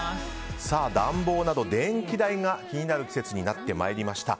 暖房など、電気代が気になる季節になってまいりました。